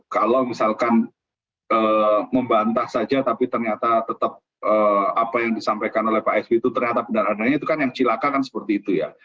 kalau misalkan membantah saja tapi ternyata tetap apa yang disampaikan oleh pak sby itu ternyata benar adanya itu kan yang cilaka kan seperti itu ya